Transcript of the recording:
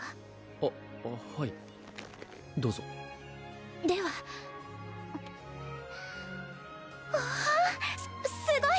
あっはいどうぞではわあっすすごい！